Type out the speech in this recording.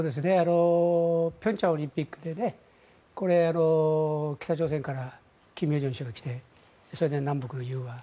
平昌オリンピックで北朝鮮から金与正氏が来てそれで南北が融和